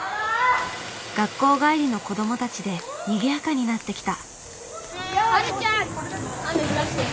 学校帰りの子どもたちでにぎやかになってきた。